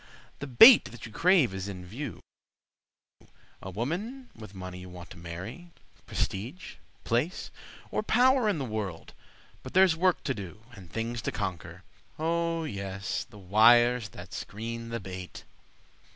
the bait that you crave is in view: A woman with money you want to marry, Prestige, place, or power in the world. But there's work to do and things to conquer— Oh, yes! the wires that screen the bait.